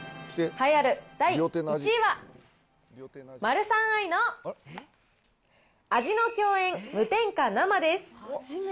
栄えある第１位は、マルサンアイの味の饗宴無添加生です。